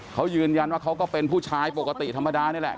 เขายืนยันว่าเขาก็เป็นผู้ชายปกติธรรมดานี่แหละ